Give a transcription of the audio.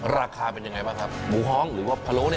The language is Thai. ราคาเป็นยังไงบ้างครับหมูฮ้องหรือว่าพะโล้เนี่ย